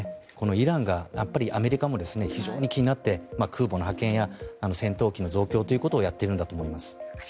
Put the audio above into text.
イランがアメリカも非常に気になって、空母の派遣や戦闘機の増強ということをやっているんだと思います。